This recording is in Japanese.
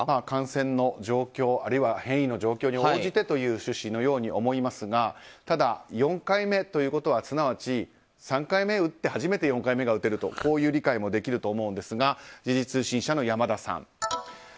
感染の状況、あるいは変異の状況に応じてという趣旨のように思えますがただ、４回目ということはすなわち３回目を打って初めて４回目が打てるという理解もできると思うんですが時事通信社の山田さん。